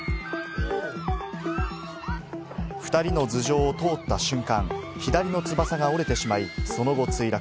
２人の頭上を通った瞬間、左の翼が折れてしまい、その後、墜落。